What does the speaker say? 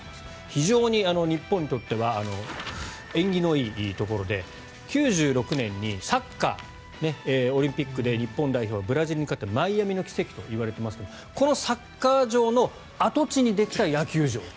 非常に日本にとっては縁起のいいところで９６年にサッカーオリンピックで日本代表がブラジルに勝ってマイアミの奇跡といわれていますがこのサッカー場の跡地にできた野球場。